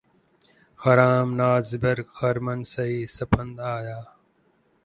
خرام ناز برق خرمن سعی سپند آیا